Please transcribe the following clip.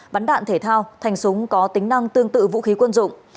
bắn đạn thể thao thành súng có tính năng tương tự vũ khí quân dụng